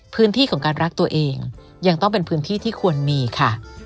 พื้นที่ของการรักตัวเองยังต้องเป็นพื้นที่ที่ควรมีค่ะ